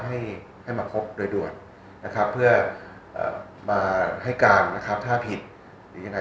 ให้ให้มาพบโดยด่วนนะครับเพื่อมาให้การนะครับถ้าผิดหรือยังไง